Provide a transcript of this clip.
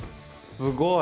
すごい。